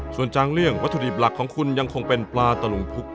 ส่วนจางเลี่ยงวัตถุดิบหลักของคุณยังคงเป็นปลาตะลุงพุก